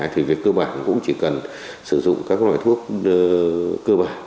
thì việc cơ bản cũng chỉ cần sử dụng các loại thuốc cơ bản